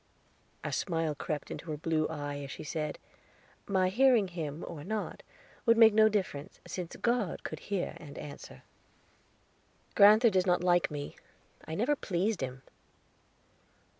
A smile crept into her blue eye, as she said: "My hearing him, or not, would make no difference, since God could hear and answer." "Grand'ther does not like me; I never pleased him."